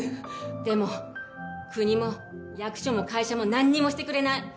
でも、国も役所も会社も何もしてくれない。